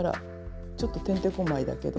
ちょっとてんてこまいだけど。